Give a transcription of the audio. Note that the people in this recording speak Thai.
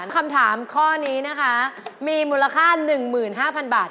คำถามข้อนี้นะคะมีมูลค่า๑๕๐๐๐บาท